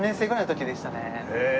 へえ！